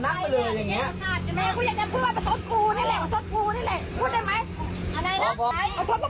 ซับปรุงนี่แหละพูดได้ไหม